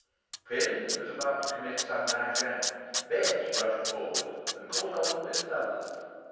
Fearing he was about to commit some rash act, Bess rushed forward and caught hold of his doublet.